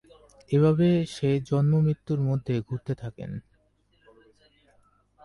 এভাবে সে জন্ম মৃত্যুর মধ্যে ঘুরতে থাকেন।